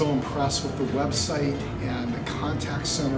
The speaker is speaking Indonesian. dan saya sangat terkesan dengan website dan contact center